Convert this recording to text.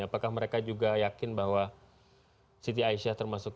apakah mereka juga yakin bahwa siti aisyah termasuk